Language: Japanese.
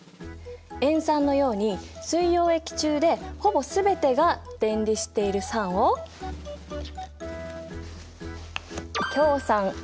塩酸のように水溶液中でほぼ全てが電離している酸を強酸。